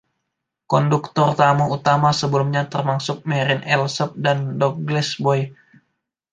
Konduktor tamu utama sebelumnya termasuk Marin Alsop dan Douglas Boyd.